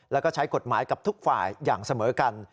แล้วก็ใช้กฎหมายกับทุกฝ่ายอย่างเสมอกัน